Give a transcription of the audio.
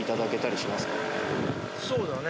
そうだね。